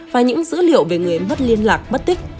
và những dữ liệu về người mất liên lạc bất tích